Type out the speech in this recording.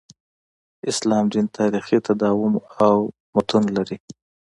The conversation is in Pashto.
اسلام دین تاریخي تداوم او متون لري.